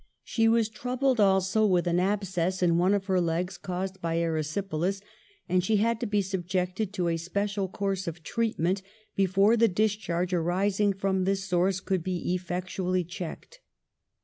She was troubled also with an abscess in one of her legs, caused by erysipelas, and she had to be subjected to a special course of treatment before the discharge arising from this source could be effectually checked.